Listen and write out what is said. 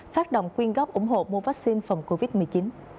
phát động quyên góp ủng hộ mua vaccine phòng covid một mươi chín